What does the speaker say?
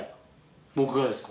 僕がですか？